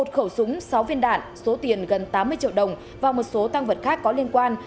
một khẩu súng sáu viên đạn số tiền gần tám mươi triệu đồng và một số tăng vật khác có liên quan